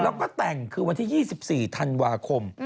แล้วก็แต่งคือวันที่๒๔ธันวาคม